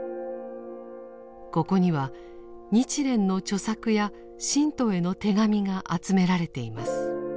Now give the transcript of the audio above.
ここには日蓮の著作や信徒への手紙が集められています。